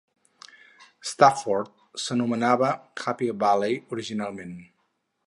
Stafford s'anomenava Happy Valley originalment.